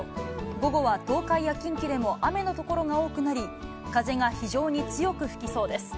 午後は東海や近畿でも雨の所が多くなり、風が非常に強く吹きそうです。